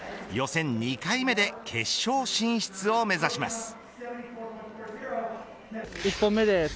予選２回目で決勝進出を目指します。